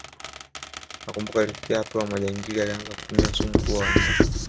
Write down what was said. Nakumbuka ilifikia hatua majangili yalianza kutumia sumu kuua wanyama